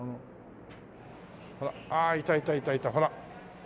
あいたいたいたいたほら！